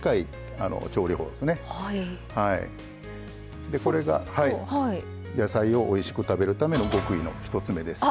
でこれが野菜をおいしく食べるための極意の１つ目です。